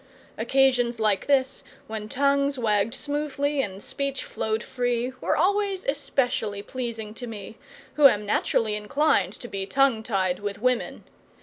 Occasions like this, when tongues wagged smoothly and speech flowed free, were always especially pleasing to me, who am naturally inclined to be tongue tied with women.